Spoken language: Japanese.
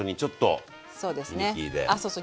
あそうそう。